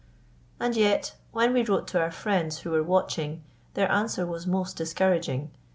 And yet, when we wrote to our friends who were watching, their answer was most discouraging.